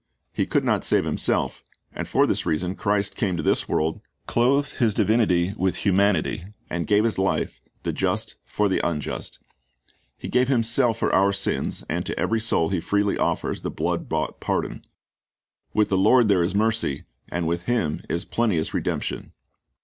He could not save himself, and for this reason Christ came to this world, clothed His divinity with humanity, and gave His life, the just for the unjust. He gave Himself Th e Me astir c of Fo rg i v c n c s s 245 for our sins, and to every soul He freely offers the blood bought pardon. "With the Lord there is mercy, and with Him is plenteous redemption."